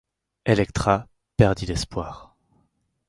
Elektra perdit l'espoir.